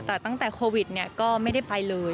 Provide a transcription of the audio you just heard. แต่ตั้งแต่โควิดก็ไม่ได้ไปเลย